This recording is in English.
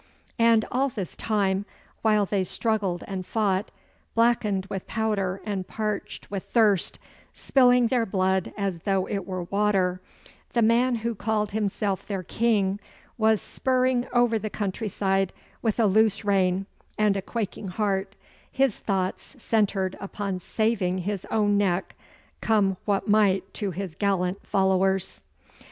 And all this time, while they struggled and fought, blackened with powder and parched with thirst, spilling their blood as though it were water, the man who called himself their King was spurring over the countryside with a loose rein and a quaking heart, his thoughts centred upon saving his own neck, come what might to his gallant followers.